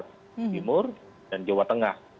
jawa timur dan jawa tengah